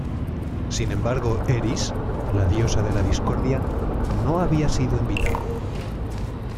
Sin embargo Eris, la diosa de la discordia, no había sido invitada.